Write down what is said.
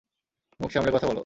মুখ সামলে কথা বলো।